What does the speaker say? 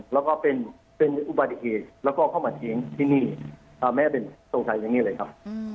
แล้วก็เป็นอุบัติเหตุแล้วก็เข้ามาทิ้งที่นี่แม่เป็นสงสัยอย่างนี้เลยครับ